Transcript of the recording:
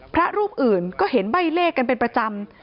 พระรูปอื่นก็เห็นใบ้เลขกันเป็นประจำ